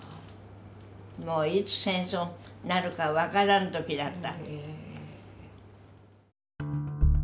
もういつ戦争になるか分からん時だった。